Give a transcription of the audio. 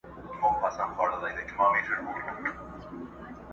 پر اوښتي تر نیوي وه زیات کلونه.!